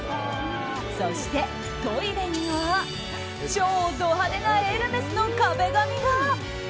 そしてトイレには超ド派手なエルメスの壁紙が。